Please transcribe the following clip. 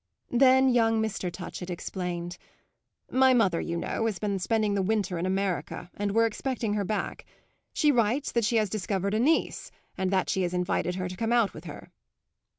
Then young Mr. Touchett explained. "My mother, you know, has been spending the winter in America, and we're expecting her back. She writes that she has discovered a niece and that she has invited her to come out with her."